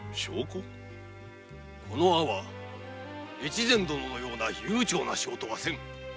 この安房大岡殿のような悠長な仕事はせん。